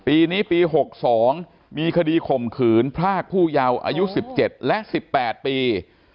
ปีนี้ปี๖๒มีคดีข่มขืนพรากผู้เยาว์อายุ๑๗และ๑๘ปี